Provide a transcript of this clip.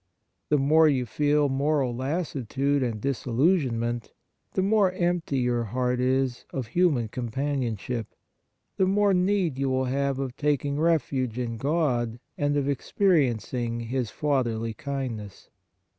The more you feel moral lassitude and disillusion ment, the more empty your heart is of human companionship, the more need you will have of taking refuge in God and of experiencing His fatherly kindness.